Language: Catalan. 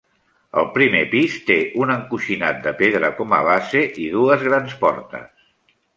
El primer pis té un encoixinat de pedra com a base i dues grans portes.